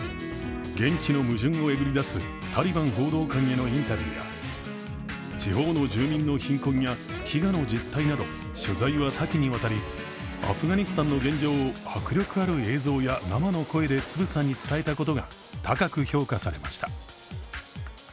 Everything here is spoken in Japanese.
現地の矛盾をえぐり出すタリバン報道官へのインタビューや、地方の住民の貧困や飢餓の実態など取材は多岐にわたりアフガニスタンの現状を迫力ある映像や生の声でつぶさに伝えたことが高く評価されました。